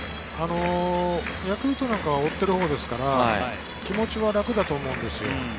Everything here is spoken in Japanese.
ヤクルトなんかは追っているほうですから気持ちは楽だと思うんですよ。